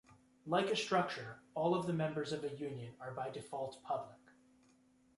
Like a structure, all of the members of a union are by default public.